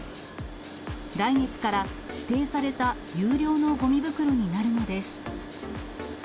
来月から、指定された有料のごみ袋になるのです。